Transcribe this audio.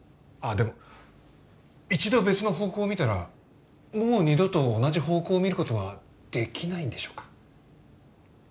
でも一度別の方向を見たらもう二度と同じ方向を見ることはできないんでしょうか？